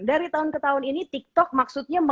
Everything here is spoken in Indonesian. dari tahun ke tahun ini tiktok maksudnya